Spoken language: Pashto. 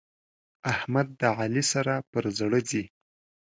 احمد د علي سره پر زړه ځي.